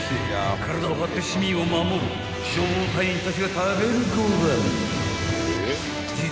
［体を張って市民を守る消防隊員たちが食べるご飯］